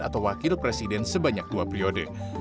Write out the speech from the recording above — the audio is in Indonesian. atau wakil presiden sebanyak dua periode